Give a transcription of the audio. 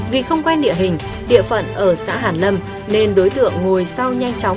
vì không quen địa hình địa phận ở xã hàn lâm nên đối tượng ngồi sau nhanh chóng